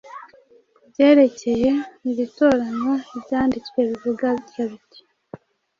Ku byerekeye iri toranywa ibyanditswe bivuga bitya biti